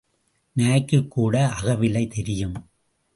நாய்க்குக் கூட அகவிலை தெரியும்.